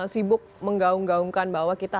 sibuk menggaung gaungkan bahwa kita